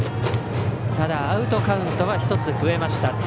ただ、アウトカウントは１つ増えました。